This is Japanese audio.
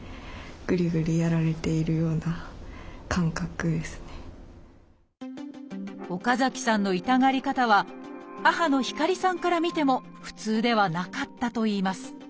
例えば岡崎さんの痛がり方は母の光さんから見ても普通ではなかったといいます